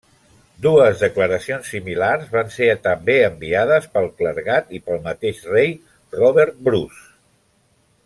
Dues declaracions similars van ser també enviades pel clergat i pel mateix rei Robert Bruce.